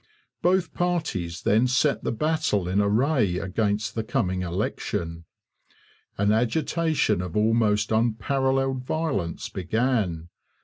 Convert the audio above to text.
Both parties then set the battle in array against the coming election. An agitation of almost unparalleled violence began.